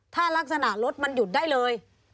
ถ้ารักษณะรถมันหยุดได้เลย